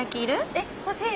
えっ欲しい。